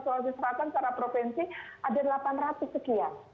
sulawesi selatan secara provinsi ada delapan ratus sekian